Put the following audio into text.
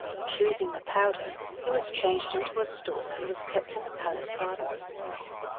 Choosing the powder, he was changed into a stork, and was kept in the palace gardens.